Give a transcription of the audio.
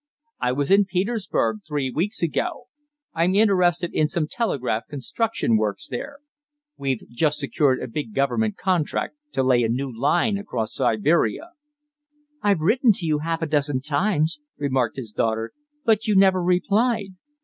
"I was in Petersburg three weeks ago. I'm interested in some telegraph construction works there. We've just secured a big Government contract to lay a new line across Siberia." "I've written to you half a dozen times," remarked his daughter, "but you never replied."